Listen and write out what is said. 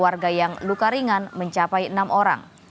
warga yang luka ringan mencapai enam orang